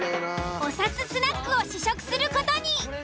おさつスナックを試食する事に。